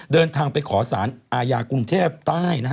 เดินทางไปขอสารอาญากรุงเทพใต้นะฮะ